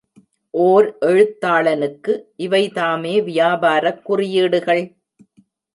ஓர் எழுத்தாளனுக்கு இவைதாமே வியாபாரக் குறியீடுகள்?